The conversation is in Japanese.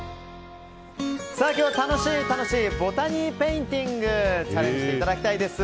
今日は楽しい楽しいボタニーペインティングチャレンジしていただきたいです。